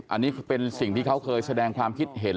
อันนี้เป็นสิ่งที่เขาเคยแสดงความคิดเห็น